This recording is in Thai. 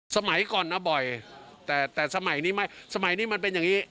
สมัยก่อนนะบ่อยแต่แต่สมัยนี้ไม่สมัยนี้มันเป็นอย่างนี้